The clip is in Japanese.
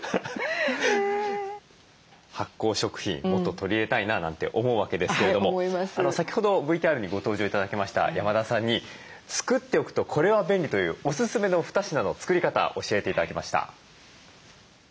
発酵食品もっと取り入れたいななんて思うわけですけれども先ほどＶＴＲにご登場頂きました山田さんに作っておくとこれは便利というおすすめの二品の作り方教えて頂きました。